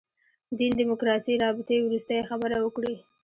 دین دیموکراسي رابطې وروستۍ خبره وکړي.